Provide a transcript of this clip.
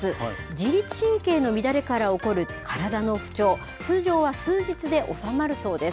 自律神経の乱れから起こる体の不調、通常は数日で収まるそうです。